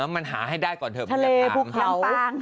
มันหาให้ได้ก่อนเถอะบุรังทะเลพวกเรา